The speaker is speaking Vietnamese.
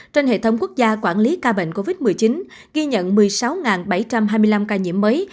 trên hệ thống quốc gia quản lý ca bệnh covid một mươi chín ghi nhận một mươi sáu bảy trăm hai mươi năm ca nhiễm mới